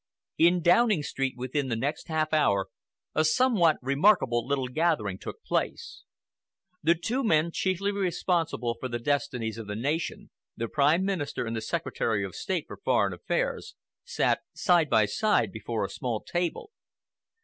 In Downing Street, within the next half an hour, a somewhat remarkable little gathering took place. The two men chiefly responsible for the destinies of the nation—the Prime Minister and the Secretary of State for Foreign Affairs—sat side by side before a small table.